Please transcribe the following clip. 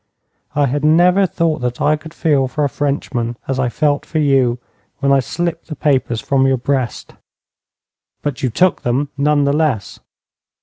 I had never thought that I could feel for a Frenchman as I felt for you when I slipped the papers from your breast.' 'But you took them, none the less.'